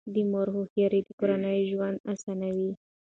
د مور هوښیاري د کورنۍ ژوند اسانوي.